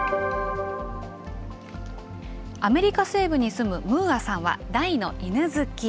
アメリカ西部に住むムーアさんは大の犬好き。